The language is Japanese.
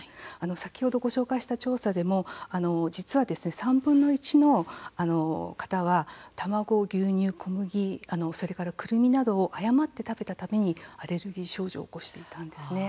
先ほど、ご紹介した調査でも実は、３分の１の方は卵、牛乳、小麦、それからくるみなどを誤って食べたためにアレルギー症状を起こしていたんですね。